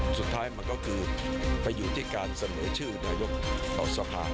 สุดท้ายมันก็คือไปอยู่ที่การเสนอชื่อนายกต่อสภา